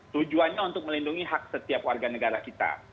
tujuannya untuk melindungi hak setiap warga negara kita